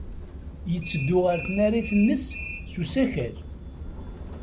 Yetteddu ɣer tnarit-nnes s usakal.